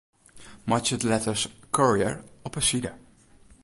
Meitsje de letters Courier op 'e side.